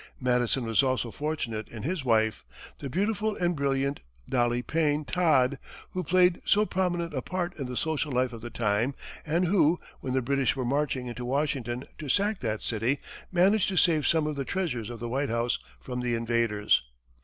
Madison was also fortunate in his wife, the beautiful and brilliant Dolly Payne Todd, who played so prominent a part in the social life of the time, and who, when the British were marching into Washington to sack that city, managed to save some of the treasures of the White House from the invaders.